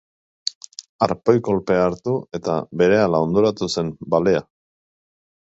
Arpoi kolpea hartu eta berehala hondoratu zen balea.